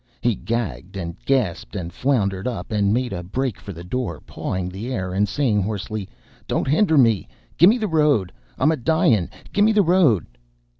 He gagged and gasped, and floundered up and made a break for the door, pawing the air and saying hoarsely, "Don't hender me! gimme the road! I'm a dying; gimme the road!"